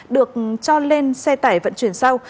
được cho lên xe tải vận chuyển sau